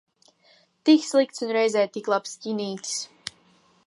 Tik slikts un reizē tik labs ķinītis.